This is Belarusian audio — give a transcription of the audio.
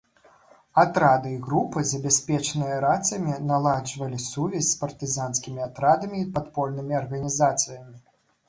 Атрады і групы, забяспечаныя рацыямі, наладжвалі сувязь з партызанскімі атрадамі і падпольнымі арганізацыямі.